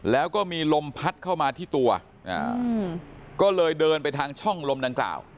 แล้วก็มีลมพัดเข้ามาที่ตัวก็เลยเดินไปทางช่องลมดังกล่าว